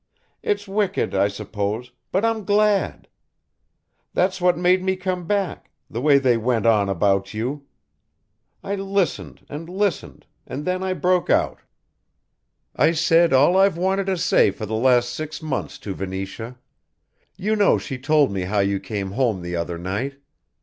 It's wicked, I suppose, but I'm glad. That's what made me come back, the way they went on about you. I listened and listened and then I broke out. I said all I've wanted to say for the last six months to Venetia. You know she told me how you came home the other night.